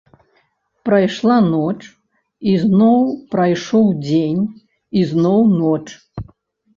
Прайшла ноч, і зноў прайшоў дзень, і зноў ноч.